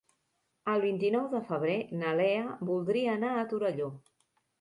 El vint-i-nou de febrer na Lea voldria anar a Torelló.